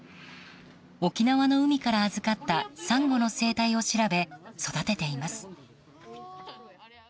沖縄の海から預かったサンゴの生態を調べ育てています。